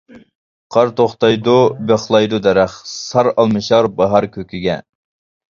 قار توختايدۇ، بىخلايدۇ دەرەخ، سار ئالمىشار باھار كۆكىگە.